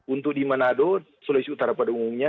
untuk di manado sulawesi utara pada umumnya